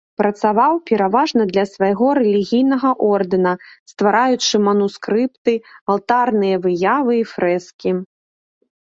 Працаваў, пераважна, для свайго рэлігійнага ордэна, ствараючы манускрыпты, алтарныя выявы і фрэскі.